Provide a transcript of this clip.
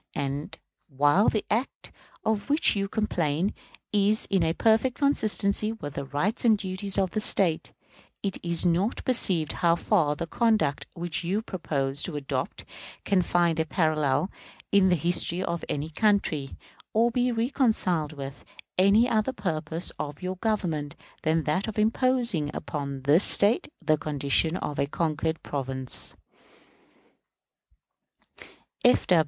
And, while the act of which you complain is in perfect consistency with the rights and duties of the State, it is not perceived how far the conduct which you propose to adopt can find a parallel in the history of any country, or be reconciled with any other purpose of your Government than that of imposing upon this State the condition of a conquered province.